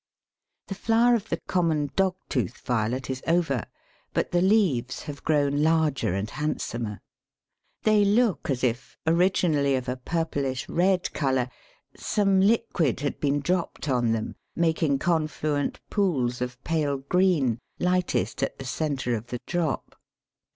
The flower of the common Dog tooth Violet is over, but the leaves have grown larger and handsomer. They look as if, originally of a purplish red colour, some liquid had been dropped on them, making confluent pools of pale green, lightest at the centre of the drop.